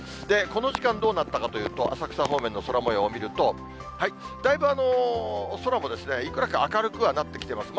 この時間どうなったかというと、浅草方面の空もようを見ると、だいぶ空もいくらか明るくはなってきてます。